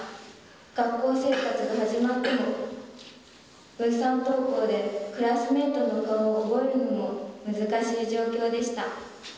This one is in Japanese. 学校生活が始まっても、分散登校でクラスメートの顔を覚えるのも難しい状況でした。